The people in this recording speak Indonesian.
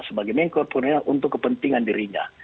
sebagai menko untuk kepentingan dirinya